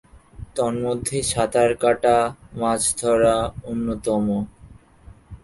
তন্মধ্যে সাঁতার কাটা, মাছ ধরা অন্যতম।